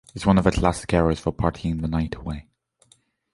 It's one of the classic areas for partying the night away.